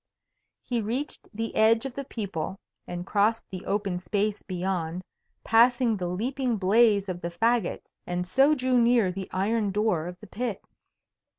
He reached the edge of the people and crossed the open space beyond, passing the leaping blaze of the fagots, and so drew near the iron door of the pit.